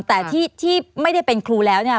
แต่ที่ไม่ได้เป็นครูแล้วเนี่ย